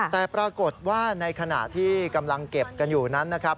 แต่ปรากฏว่าในขณะที่กำลังเก็บกันอยู่นั้นนะครับ